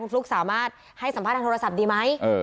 ฟลุ๊กสามารถให้สัมภาษณ์ทางโทรศัพท์ดีไหม